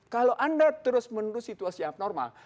kalau anda terus menerus situasi abnormal